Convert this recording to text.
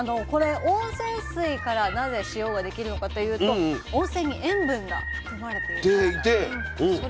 温泉水からなぜ塩ができるのかというと温泉に塩分が含まれているからなんです。